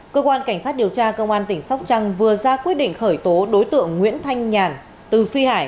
cơ quan cảnh sát điều tra công an tỉnh sóc trăng vừa ra quyết định khởi tố đối tượng nguyễn thanh nhàn từ phi hải